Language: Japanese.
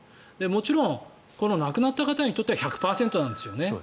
もちろんこの亡くなった方にとっては１００％なんですよね。